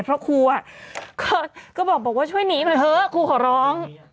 เพราะครูก็บอกว่าช่วยหนีหน่อยเถอะครูขอร้อง